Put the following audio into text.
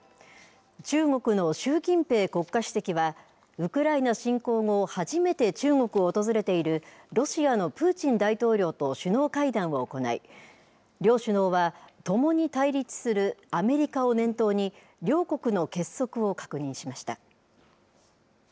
中国の習近平国家主席は、ウクライナ侵攻後、初めて中国を訪れているロシアのプーチン大統領と首脳会談を行い、両首脳は共に対立するアメリカを念頭に、両国の結束を確認しました。